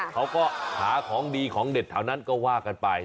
เขาก็หาของดีของเด็ดแถวนั้นก็ว่ากันไป